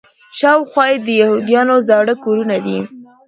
شاوخوا یې د یهودانو زاړه کورونه دي.